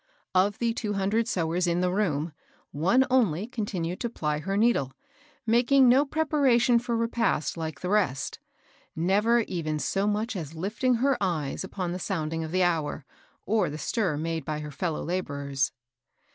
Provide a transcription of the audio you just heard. Of the two hundred sewers in the room, one only continued to ply her needle, making no preparation for repast Uke the rest, — never even so much as lift ing her eyes upon the sounding of the hour, or the stir made by her fellow laborers. 200 MABEL BOSS.